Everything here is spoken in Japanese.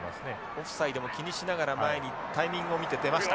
オフサイドも気にしながら前にタイミングを見て出ました。